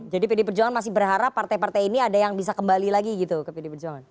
jadi pdi perjuangan masih berharap partai partai ini ada yang bisa kembali lagi gitu ke pdi perjuangan